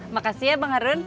makasih ya bang harun